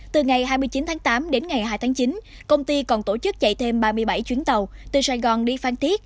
từ ngày hai mươi chín tháng tám đến ngày hai tháng chín công ty còn tổ chức chạy thêm ba mươi bảy chuyến tàu từ sài gòn đi phan thiết